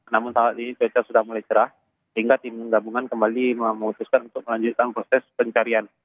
namun saat ini cuaca sudah mulai cerah sehingga tim gabungan kembali memutuskan untuk melanjutkan proses pencarian